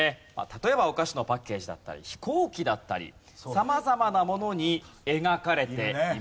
例えばお菓子のパッケージだったり飛行機だったり様々なものに描かれています。